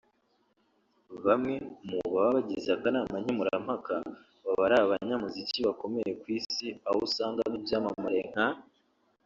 Bamwe mu baba bagize akanama nkemurampaka baba ari abanyamuziki bakomeye ku isi aho usangamo ibyamamare nka